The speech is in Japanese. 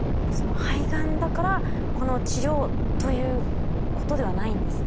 肺がんだからこの治療ということではないんですね。